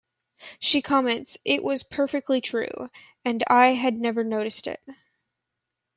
She comments It was perfectly true; and I had never noticed it.